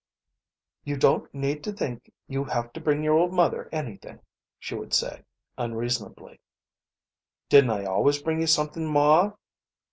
"You don't need to think you have to bring your old mother anything," she would say, unreasonably. "Didn't I always bring you something, Ma?"